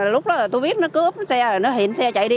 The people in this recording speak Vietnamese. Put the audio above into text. lúc đó tôi biết nó cướp xe nó hẹn xe chạy đi